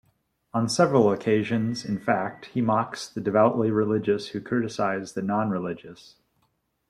On several occasions, in fact, he mocks the devoutly religious who criticize the non-religious.